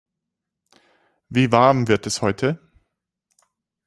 Wie warm wird es heute?